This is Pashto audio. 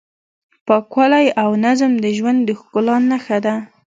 پاکوالی او نظم د ژوند د ښکلا نښه ده.